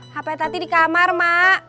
hape tati di kamar emak